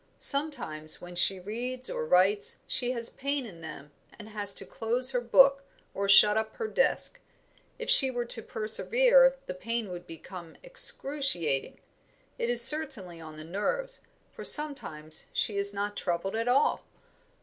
Sometimes when she reads or writes she has pain in them, and has to close her book, or shut up her desk. If she were to persevere the pain would become excruciating; it is certainly on the nerves, for sometimes she is not troubled at all."